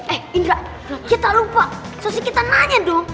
eh indra kita lupa susi kita nanya dong